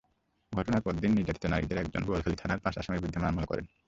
ঘটনার পরদিন নির্যাতিত নারীদের একজন বোয়ালখালী থানায় পাঁচ আসামির বিরুদ্ধে মামলা করেন।